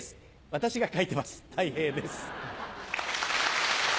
私が書いてますたい平です。